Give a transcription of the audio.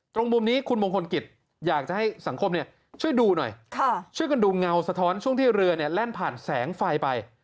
ตรงมุมนี้คุณมงคลกิจอยากจะให้สังคมช่วยดูหน่อยช่วยกันดูเงาสะท้อนช่วงที่เรือเนี่ยแล่นผ่านแสงไฟไป